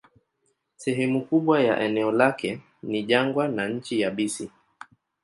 Sehemu kubwa ya eneo lake ni jangwa na nchi yabisi.